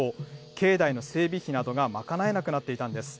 境内の整備費などが賄えなくなっていたんです。